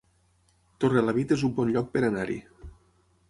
Torrelavit es un bon lloc per anar-hi